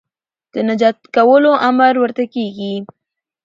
د نجات کولو امر ورته کېږي